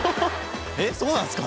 えっそうなんすか！？